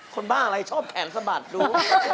คนบ้าอะไรชอบแผนสะบัดรู้